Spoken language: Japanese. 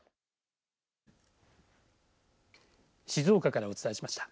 静岡からお伝えしました。